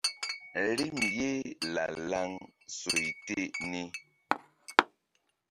Rim ye la-laŋ soy te ni.